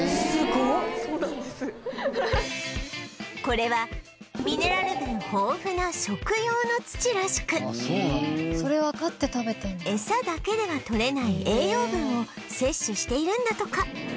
これはミネラル分豊富な食用の土らしくエサだけでは取れない栄養分を摂取しているんだとか